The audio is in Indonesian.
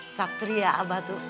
satria abah tuh